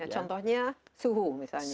contohnya suhu misalnya